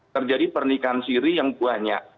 terjadi pernikahan siri yang banyak